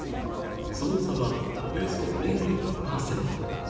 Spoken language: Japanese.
その差はおよそ０．５％。